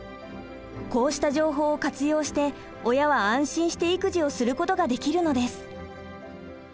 こうした情報を活用して親は安心して育児をすることができるのです。